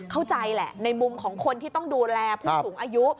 เข้าใจแหละในมุมของคนที่ต้องดูแลผู้สูงอายุ